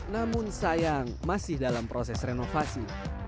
namun sayang masih dalam proses renovasi